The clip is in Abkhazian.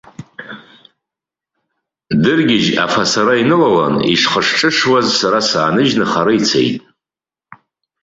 Дыргьежь афасара инылалан, ишхыш-ҿышуаз, сара сааныжьны хара ицеит.